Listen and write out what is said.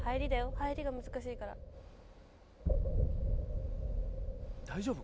入りが難しいから大丈夫？